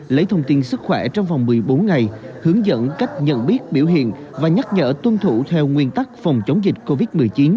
lấy thông tin sức khỏe trong vòng một mươi bốn ngày hướng dẫn cách nhận biết biểu hiện và nhắc nhở tuân thủ theo nguyên tắc phòng chống dịch covid một mươi chín